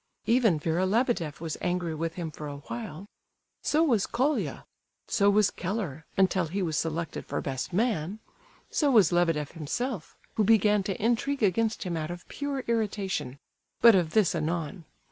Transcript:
Even Vera Lebedeff was angry with him for a while; so was Colia; so was Keller, until he was selected for best man; so was Lebedeff himself,—who began to intrigue against him out of pure irritation;—but of this anon.